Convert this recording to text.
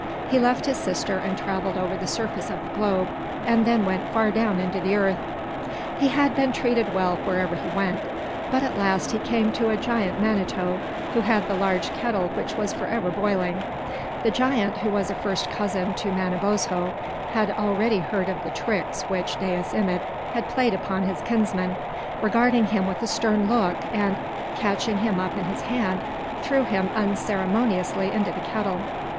He left his sister and traveled over the surface of the globe, and then went far down into the earth. He had been treated well wherever he went. But at last he came to a giant manito, who had a large kettle which was forever boiling. The giant, who was a first cousin to Manabozho, and had already heard of the tricks which Dais Imid had played upon his kinsman, regarded him with a stern look, and, catching him up in his hand, threw him unceremoniously into the kettle.